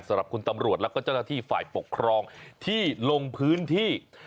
สำหรับคุณตำรวจแล้วก็เจ้าหน้าที่ฝ่ายปกครองที่ลงพื้นที่